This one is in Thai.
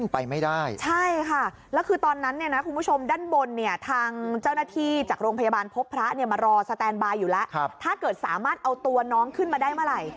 แปลนบายอยู่แล้วถ้าเกิดสามารถเอาตัวน้องขึ้นมาได้เมื่อไหร่